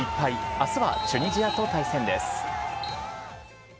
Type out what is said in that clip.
あすはチュニジアと対戦です。